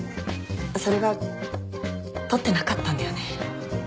それが撮ってなかったんだよね。